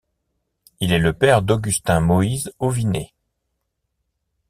Il est le père d'Augustin Moïse Auvynet.